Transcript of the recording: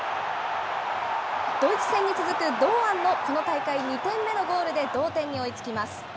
ドイツ戦に続く堂安のこの大会２点目のゴールで同点に追いつきます。